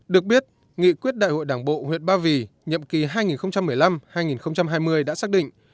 được biết nghị quyết đại hội đảng bộ huyện ba vì nhiệm kỳ hai nghìn một mươi năm hai nghìn hai mươi đã xác định